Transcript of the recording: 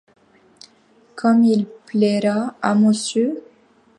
Comme il plaira à monsieur !